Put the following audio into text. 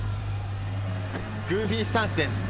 グーフィースタンスです。